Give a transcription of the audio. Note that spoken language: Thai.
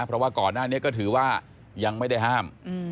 เพราะว่าก่อนหน้านี้ก็ถือว่ายังไม่ได้ห้าม